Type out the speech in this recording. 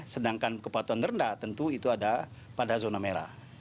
sedangkan kepatuhan rendah tentu itu ada pada zona merah